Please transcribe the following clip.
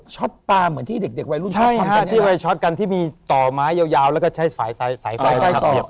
ช็อตปลาเหมือนที่เด็กวัยรุ่นช็อตกันใช่ครับที่วัยช็อตกันที่มีต่อไม้ยาวแล้วก็ใช้สายไฟเสียบไป